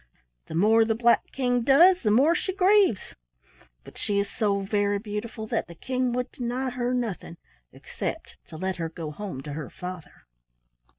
The more the Black King does, the more she grieves, but she is so very beautiful that the King would deny her nothing except to let her go home to her father."